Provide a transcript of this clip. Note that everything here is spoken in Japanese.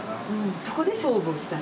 そこで勝負をしたい？